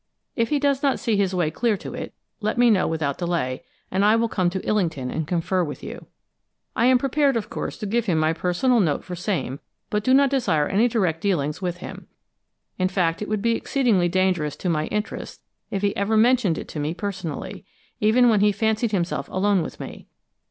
If he does not see his way clear to it, let me know without delay, and I will come to Illington and confer with you. I am prepared, of course, to give him my personal note for same, but do not desire any direct dealings with him. In fact, it would be exceedingly dangerous to my interests if he ever mentioned it to me personally, even when he fancied himself alone with me.